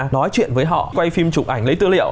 nói chuyện với họ quay phim chụp ảnh lấy tư liệu